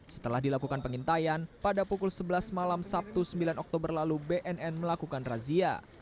setelah dilakukan pengintaian pada pukul sebelas malam sabtu sembilan oktober lalu bnn melakukan razia